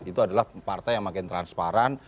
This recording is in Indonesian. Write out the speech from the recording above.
itu adalah partai yang makin transparan